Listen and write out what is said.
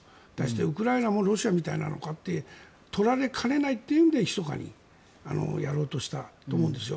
ウクライナもロシアみたいなのかと取られかねないというのでひそかにやろうとしたと思うんですよ。